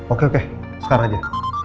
oke oke sekarang aja